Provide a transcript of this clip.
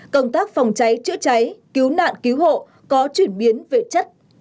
công tác phòng cháy chữa cháy cứu nạn cứu hộ có chuyển biến về chất